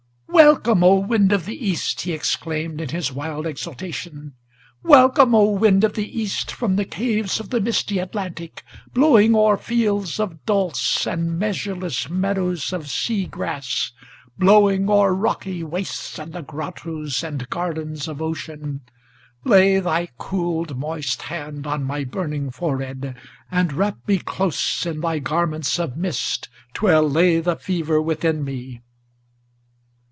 "Welcome, O wind of the East!" he exclaimed in his wild exultation, "Welcome, O wind of the East, from the caves of the misty Atlantic! Blowing o'er fields of dulse, and measureless meadows of sea grass, Blowing o'er rocky wastes, and the grottos and gardens of ocean! Lay thy cold, moist hand on my burning forehead, and wrap me Close in thy garments of mist, to allay the fever within me!"